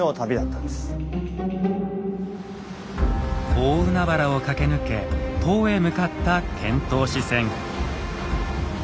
大海原を駆け抜け唐へ向かった遣唐使船。